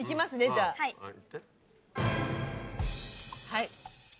はい。